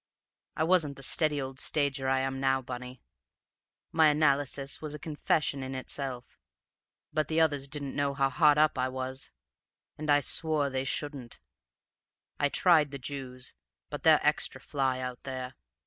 I wasn't the steady old stager I am now, Bunny; my analysis was a confession in itself. But the others didn't know how hard up I was, and I swore they shouldn't. I tried the Jews, but they're extra fly out there.